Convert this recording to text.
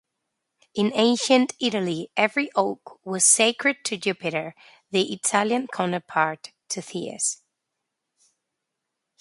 In ancient Italy, every oak was sacred to Jupiter, the Italian counterpart to Zeus.